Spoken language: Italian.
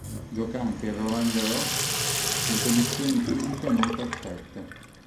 Gioca anche il Roland Garros in condizioni fisiche non perfette.